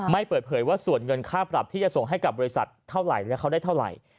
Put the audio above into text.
ไม่เปิดเผยว่าส่วนเงินค่าปรับที่จะส่งให้กับบริษัทเขาได้เท่าไหร่